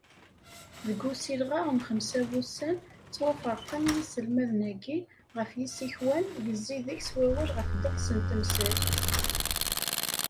Deg usileɣ-a, n xemsa wussan, ttwaferqen yiselmaden-agi ɣef yisikwan, yezzi deg-s wawal ɣef ddeqs n temsal.